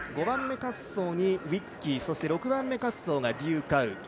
５番目滑走にウィッキそして６番目滑走が劉佳宇